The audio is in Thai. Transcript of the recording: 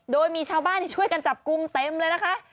โดยมีชาวบ้านช่วยกันจับกลุ่มเต็มเลยนะคะ